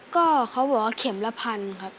ก็เขาบอกว่าเข็มละพันครับ